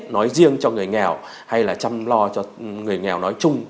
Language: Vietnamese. nói riêng cho người nghèo hay là chăm lo cho người nghèo nói chung